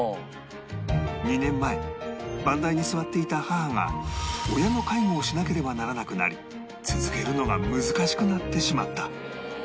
２年前番台に座っていた母が親の介護をしなければならなくなり続けるのが難しくなってしまった